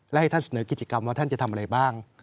และให้ท่านเสนอกิจกรรมว่าท่านจะทำอะไรบ้าง